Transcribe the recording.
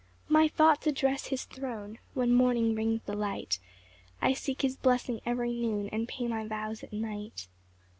2 My thoughts address his throne When morning brings the light; I seek his blessing every noon, And pay my vows at night.